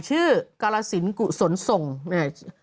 ชื่อกรสินกุศลสงศ์